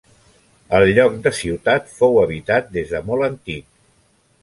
El lloc de Ciutat fou habitat des de molt antic.